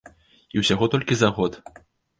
І ўсяго толькі за год.